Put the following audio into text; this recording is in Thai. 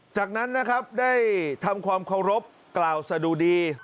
จากนั้นนะครับได้ทำความเคารพกล่าวสะดุดี